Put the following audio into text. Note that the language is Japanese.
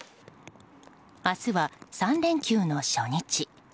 明日は３連休の初日。